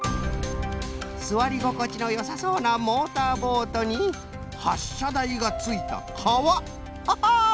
すわりごこちのよさそうなモーターボートにはっしゃだいがついたかわ！